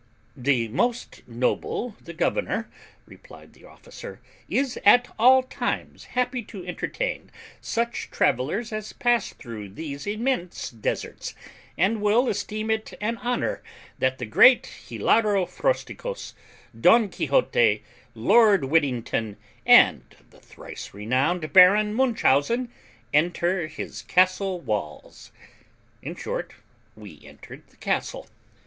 "The most noble the governor," replied the officer, "is at all times happy to entertain such travellers as pass through these immense deserts, and will esteem it an honour that the great Hilaro Frosticos, Don Quixote, Lord Whittington, and the thrice renowned Baron Munchausen, enter his castle walls." In short, we entered the castle.